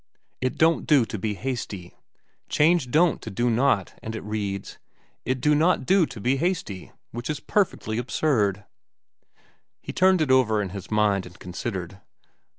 "'It don't do to be hasty.' Change 'don't' to 'do not,' and it reads, 'It do not do to be hasty,' which is perfectly absurd." He turned it over in his mind and considered.